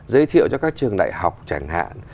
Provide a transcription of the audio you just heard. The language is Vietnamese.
giới thiệu cho các trường đại học chẳng hạn